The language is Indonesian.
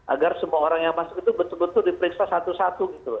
agar semua orang yang masuk itu betul betul diperiksa satu satu gitu loh